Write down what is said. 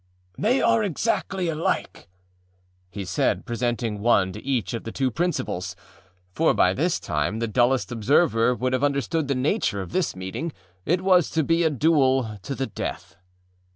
âThey are exactly alike,â he said, presenting one to each of the two principalsâfor by this time the dullest observer would have understood the nature of this meeting. It was to be a duel to the death.